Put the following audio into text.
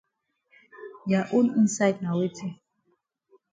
Ya own inside na weti.